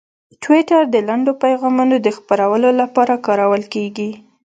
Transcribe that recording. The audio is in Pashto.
ټویټر د لنډو پیغامونو د خپرولو لپاره کارول کېږي.